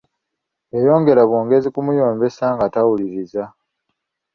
Yayongera bwongezi kumuyombesa nga tawuliriza.